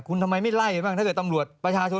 คุณทำไมไม่ไล่บ้างถ้าเกิดตำรวจประชาชน